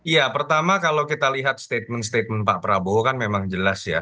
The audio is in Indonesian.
ya pertama kalau kita lihat statement statement pak prabowo kan memang jelas ya